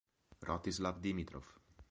Rostislav Dimitrov